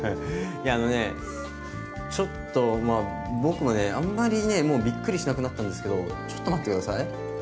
いやあのねちょっとまあ僕もねあんまりねもうびっくりしなくなったんですけどちょっと待って下さい。